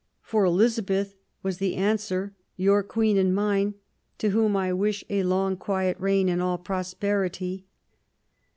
" For Elizabeth," was the answer, " your Queen and mine, to whom I wish a long quiet reign and all prosperity.'